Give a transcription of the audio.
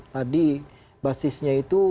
tadi basisnya itu